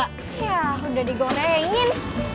yah udah digorengin